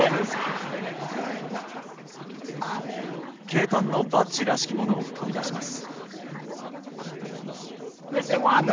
警官のバッジらしきものを取り出します。